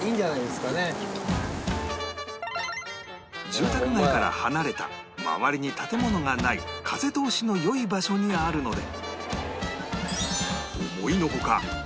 住宅街から離れた周りに建物がない風通しの良い場所にあるので